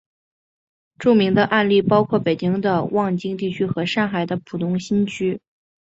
著名的案例包括北京的望京地区和上海的浦东新区。